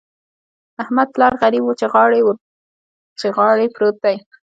د احمد پلار غريب وچې غاړې پروت دی.